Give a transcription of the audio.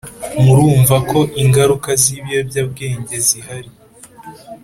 murumva ko ingaruka z’ibiyobyabwenge zihari